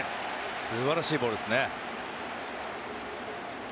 素晴らしいボールですね。